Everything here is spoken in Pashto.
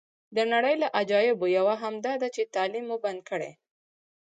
د نړۍ له عجایبو یوه هم داده چې تعلیم مو بند کړی.